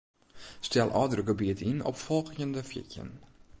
Stel ôfdrukgebiet yn op folgjende fjirtjin.